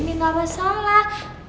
minum apa salah